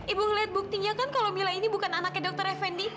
ibu ngelihat buktinya kan kalau mila ini bukan anaknya dokter effendi